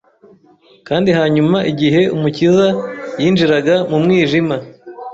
kandi hanyuma igihe Umukiza yinjiraga mu mwijima